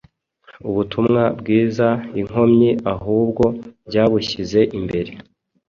ubutumwa bwiza inkomyi, ahubwo byabushyize imbere.”